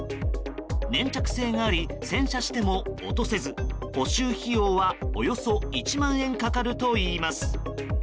粘着性があり洗車しても落とせず補修費用はおよそ１万円かかるといいます。